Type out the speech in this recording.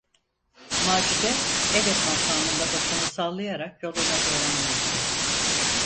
Macide, evet makamında başını sallayarak yoluna devam etti.